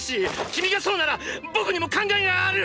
君がそうなら僕にも考えがある！！